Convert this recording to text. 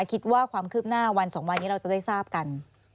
คิดว่าความคืบหน้าวัน๒วันนี้เราจะได้ทราบกัน